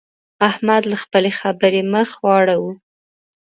احمد له خپلې خبرې مخ واړاوو.